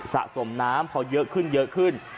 สะสมน้ำพอเยอะขึ้น